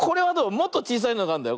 もっとちいさいのがあるんだよ。